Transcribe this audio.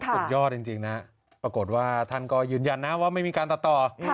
สุดยอดจริงนะปรากฏว่าท่านก็ยืนยันนะว่าไม่มีการตัดต่อ